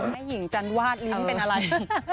แม่หญิงจันวาดลิ้นเป็นอะไร